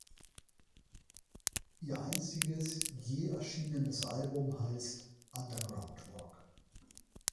Ihr einziges je erschienenes Album heißt „Underground-Rock“.